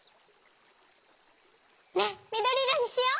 ねっみどりいろにしよう！